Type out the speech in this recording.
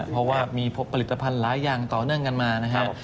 เพราะว่ามีผลิตภัณฑ์หลายอย่างต่อเนื่องกันมานะครับ